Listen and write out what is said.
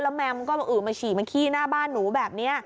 แมมก็มาฉี่มาขี้หน้าบ้านหนูแบบนี้